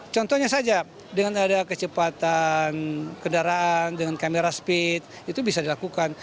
contohnya saja dengan ada kecepatan kendaraan dengan kamera speed itu bisa dilakukan